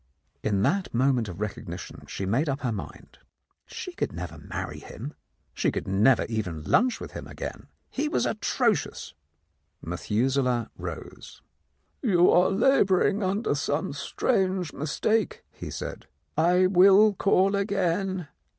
In that moment of recognition, she made up her mind. She could never marry him ; she could never even lunch with him again. He was atrocious. Methuselah rose. "You are labouring under some strange mistake," he said; "I will call again."